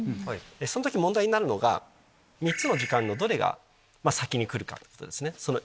その時問題になるのが３つの時間のどれが先に来るかってことですね。